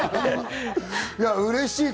うれしい。